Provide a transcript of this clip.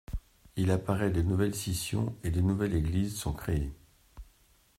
Il apparait différentes scissions et de nouvelles Églises sont créées.